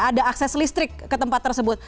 ada akses listrik ke tempat tersebut